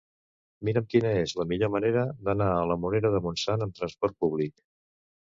Mira'm quina és la millor manera d'anar a la Morera de Montsant amb trasport públic.